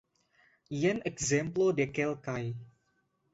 Jen ekzemplo de kelkaj.